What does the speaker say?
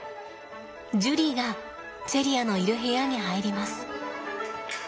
ジュリーがチェリアのいる部屋に入ります。